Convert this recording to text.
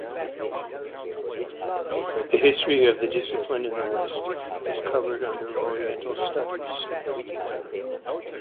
The history of the discipline in the West is covered under Oriental studies.